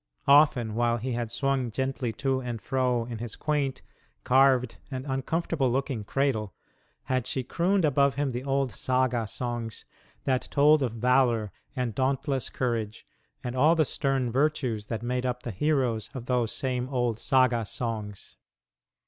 Often while he had swung gently to and fro in his quaint, carved, and uncomfortable looking cradle, had she crooned above him the old saga songs that told of valor and dauntless courage and all the stern virtues that made up the heroes of those same old saga songs.